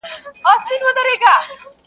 چي و شمي د آدب ته پنګان سي,